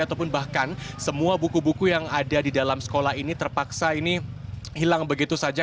ataupun bahkan semua buku buku yang ada di dalam sekolah ini terpaksa ini hilang begitu saja